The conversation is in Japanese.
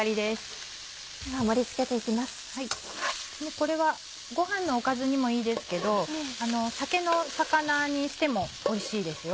これはご飯のおかずにもいいですけど酒のさかなにしてもおいしいですよ。